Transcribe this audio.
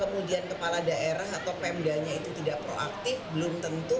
kemudian kepala daerah atau pemdanya itu tidak proaktif belum tentu